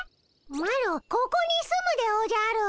マロここに住むでおじゃる。